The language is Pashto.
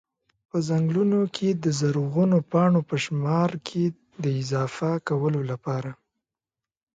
په ځنګلونو کي د زرغونو پاڼو په شمار کي د اضافه کولو لپاره